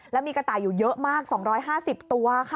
แล้วมีกระต่ายอยู่เยอะมาก๒๕๐ตัวค่ะ